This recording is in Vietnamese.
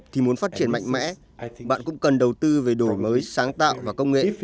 thì muốn phát triển mạnh mẽ bạn cũng cần đầu tư về đổi mới sáng tạo và công nghệ